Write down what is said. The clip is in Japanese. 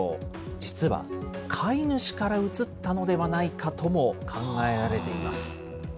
実は飼い主からうつったのではないかとも考えられています。